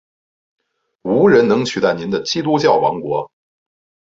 无人能取代您的基督教王国！